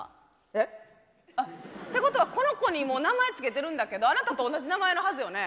えっ？ってことはこの子にもう名前付けてるんだけどあなたと同じ名前のはずよね。